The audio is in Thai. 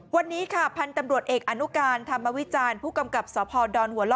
วันนี้ค่ะพันธุ์ตำรวจเอกอนุการธรรมวิจารณ์ผู้กำกับสพดหัวล่อ